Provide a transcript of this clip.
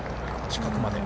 近くまで。